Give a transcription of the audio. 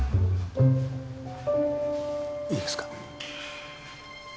いいですか？